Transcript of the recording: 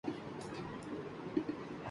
خیرہ نہ کر سکا مجھے جلوۂ دانش فرنگ